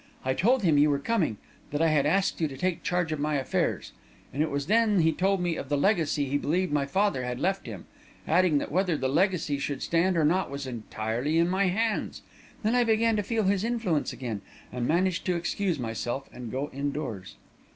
I told him you were coming, that I had asked you to take charge of my affairs; and it was then he told me of the legacy he believed my father had left him, adding that whether the legacy should stand or not was entirely in my hands. Then I began to feel his influence again, and managed to excuse myself and go indoors.